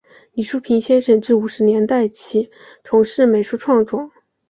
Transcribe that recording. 李叔平先生自五十年代起从事美术创作。